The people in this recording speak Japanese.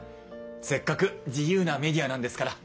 せっかく自由なメディアなんですから。